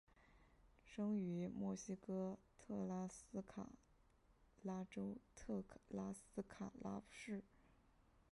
生于墨西哥特拉斯卡拉州特拉斯卡拉市。